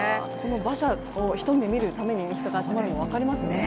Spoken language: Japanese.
馬車を一目見るために人が集まるのも分かりますね。